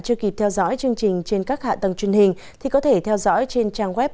chưa kịp theo dõi chương trình trên các hạ tầng truyền hình thì có thể theo dõi trên trang web